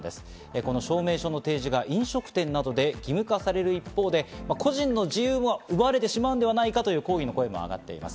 この証明書の提示が飲食店などで義務化される一方で、個人の自由が奪われてしまうんじゃないかという抗議の声もあがっています。